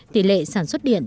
tỷ lệ sản xuất điện